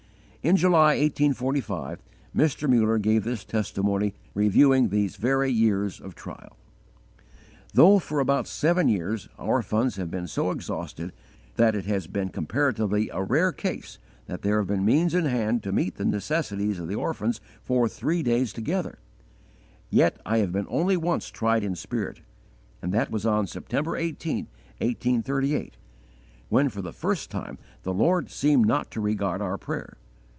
In July, 1845, Mr. Muller gave this testimony reviewing these very years of trial: "Though for about seven years, our funds have been so exhausted that it has been comparatively a rare case that there have been means in hand to meet the necessities of the orphans for three days together, yet I have been only once tried in spirit, and that was on September 18, 1838, when for the first time the Lord seemed not to regard our prayer.